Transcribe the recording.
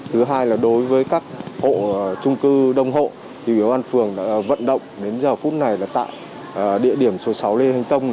thứ hai là đối với các hộ trung cư đông hộ thì ủy ban phường đã vận động đến giờ phút này là tại địa điểm số sáu lê thanh tông